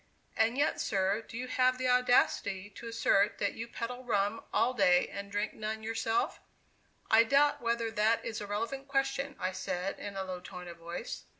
"And yet, sir, do you have the audacity to assert that you peddle rum all day, and drink none yourself?" "I doubt whether that is a relevant question," I said in a low tone of voice.